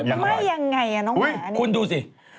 ยังไงน้องหมานี่คุณดูสิ